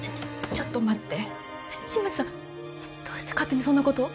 ちょっと待って新町さんどうして勝手にそんなことを？